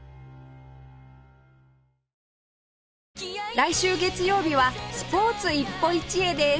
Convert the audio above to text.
来週月曜日はスポーツ一歩一会です